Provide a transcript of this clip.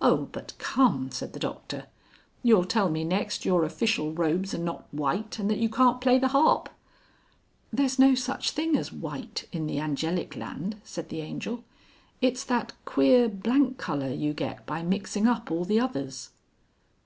"Oh! but come!" said the Doctor. "You'll tell me next your official robes are not white and that you can't play the harp." "There's no such thing as white in the Angelic Land," said the Angel. "It's that queer blank colour you get by mixing up all the others."